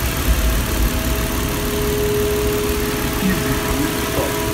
It's easy for you to talk.